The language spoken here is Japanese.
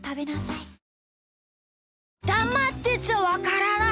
だまってちゃわからない！